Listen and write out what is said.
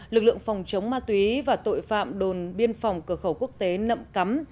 lực lượng phòng chống ma túy và tội phạm đồn biên phòng cửa khẩu quốc tế nậm cắm